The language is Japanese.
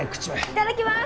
いただきます